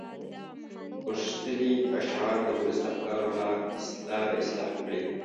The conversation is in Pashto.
غښتلي اشعار د ولس د افکارو لاره اصلاح کړي.